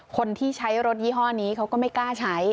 คนที่ใช้รถยี่ห้อนี้เขาก็ไม่กล้าใช้